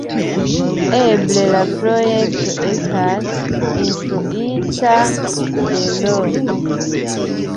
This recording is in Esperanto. Eble la projekto estas influita de Ro.